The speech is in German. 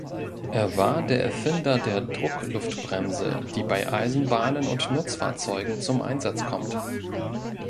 Er war der Erfinder der Druckluftbremse, die bei Eisenbahnen und Nutzfahrzeugen zum Einsatz kommt.